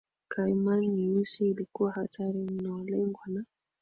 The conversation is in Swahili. caiman nyeusi ilikuwa hatari mno walengwa na